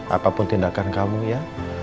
apapun tindakan kamu ya